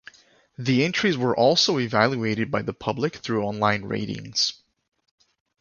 The entries were also evaluated by the public through online ratings.